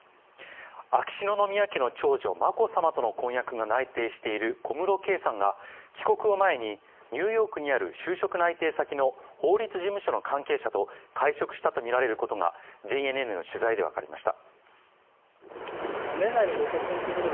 秋篠宮家の長女・眞子さまとの婚約が内定している小室圭さんが帰国を前にニューヨークにある就職内定先の法律事務所の関係者と会食したとみられることがＪＮＮの取材で分かりました。